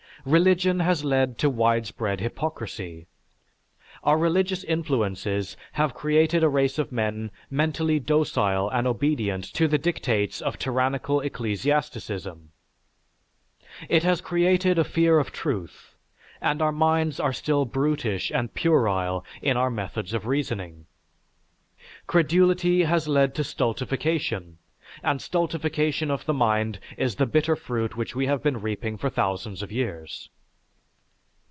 Religion has led to widespread hypocrisy. Our religious influences have created a race of men mentally docile and obedient to the dictates of tyrannical ecclesiasticism. It has created a fear of truth, and our minds are still brutish and puerile in our methods of reasoning. Credulity has led to stultification, and stultification of the mind is the bitter fruit which we have been reaping for thousands of years.